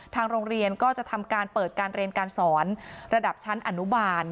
ทางโรงเรียนก็จะทำการเปิดการเรียนการสอนระดับชั้นอนุบาล